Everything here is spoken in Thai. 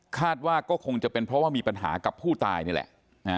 คาดว่าก็คงจะเป็นเพราะว่ามีปัญหากับผู้ตายนี่แหละ